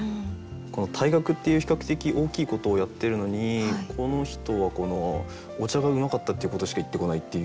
この退学っていう比較的大きいことをやってるのにこの人は「お茶がうまかった」っていうことしか言ってこないという。